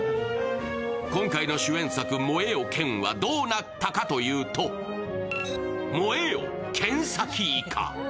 今回の主演作「燃えよ剣」はどうなったかというと「燃えよ剣先イカ」。